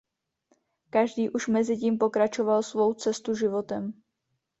Každý už mezitím pokračoval svou cestu životem.